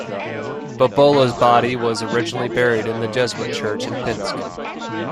Bobola's body was originally buried in the Jesuit church in Pinsk.